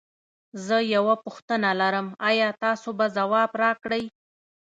زه یوه پوښتنه لرم ایا تاسو به ځواب راکړی؟